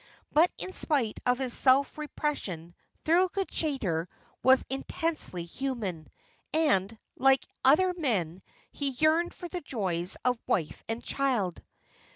But, in spite of his self repression, Thorold Chaytor was intensely human, and, like other men, he yearned for the joys of wife and child.